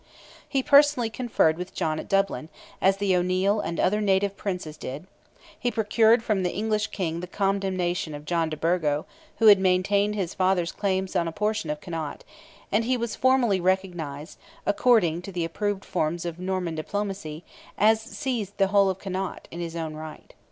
He personally conferred with John at Dublin, as the O'Neil and other native Princes did; he procured from the English King the condemnation of John de Burgo, who had maintained his father's claims on a portion of Connaught, and he was formally recognised, according to the approved forms of Norman diplomacy, as seized of the whole of Connaught, in his own right.